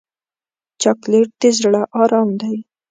چاکلېټ د زړه ارام دی.